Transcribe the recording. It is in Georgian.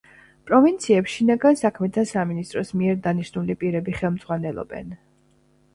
პროვინციებს შინაგან საქმეთა სამინისტროს მიერ დანიშნული პირები ხელმძღვანელობენ.